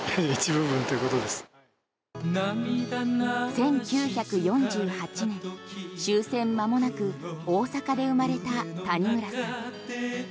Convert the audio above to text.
１９４８年、終戦まもなく大阪で生まれた谷村さん。